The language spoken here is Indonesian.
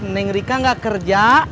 neng rika gak kerja